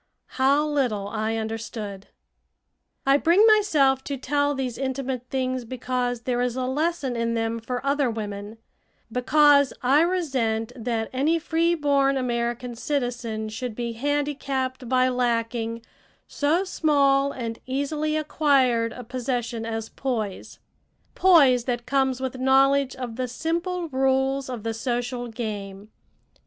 How little I understood! I bring myself to tell these intimate things because there is a lesson in them for other women because I resent that any free born American citizen should be handicapped by lacking so small and easily acquired a possession as poise, poise that comes with knowledge of the simple rules of the social game.